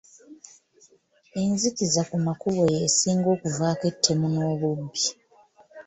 Enzikiza ku makubo y'esinga okuvaako ettemu n'obubbi.